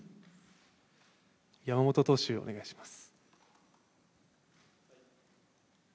山本投手、お願いします。